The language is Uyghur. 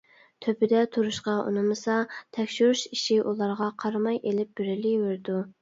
تۆپىدە تۇرۇشقا ئۇنىمىسا، تەكشۈرۈش ئىشى ئۇلارغا قارىماي ئېلىپ بېرىلىۋېرىدۇ.